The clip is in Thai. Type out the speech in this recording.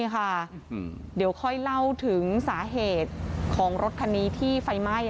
เดี๋ยวค่อยเล่าถึงสาเหตุของรถคันนี้ที่ไฟไหม้